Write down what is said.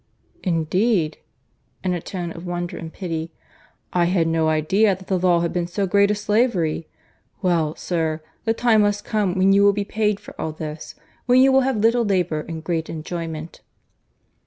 "Indeed! (in a tone of wonder and pity,) I had no idea that the law had been so great a slavery. Well, sir, the time must come when you will be paid for all this, when you will have little labour and great enjoyment."